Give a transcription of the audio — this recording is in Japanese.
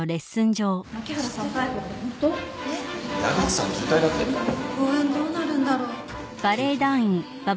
公演どうなるんだろう。